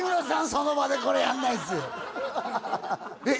その場でこれやんないですよえっ